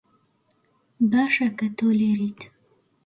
باشە کە تۆ لێرەیت.